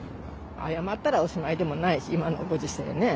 謝ったらおしまいでもないし、今のご時世ね。